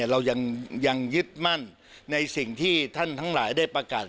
เรายังยึดมั่นในสิ่งที่ท่านทั้งหลายได้ประกาศ